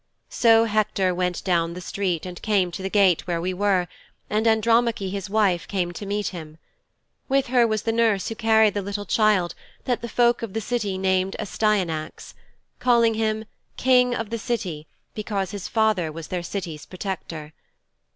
'So Hector went down the street and came to the gate where we were, and Andromache his wife came to meet him. With her was the nurse who carried the little child that the folk of the city named Astyanax, calling him, 'King of the City' because his father was their city's protector.